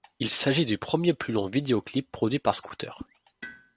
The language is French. Il s'agit du premier plus long vidéoclip produit par Scooter.